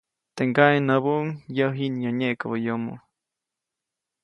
Teʼ ŋgaʼe näbuʼuŋ, -yäʼ jiʼnyäʼä nyeʼkäbä yomo-.